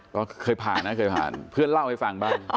ก็เคยผ่านนะเคยผ่านเพื่อนเล่าให้ฟังบ้าง